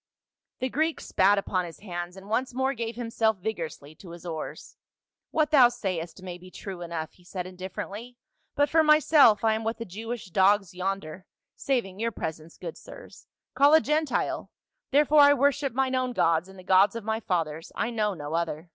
The Greek spat upon his hands and once more gave himself vigorously to his oars. " What thou sayst may be true enough," he said indifferently; "but for myself I am what the Jewish dogs yonder — saving your presence, good sirs — call a Gentile, therefore I worship mine own gods and the gods of my fathers ; I know no other."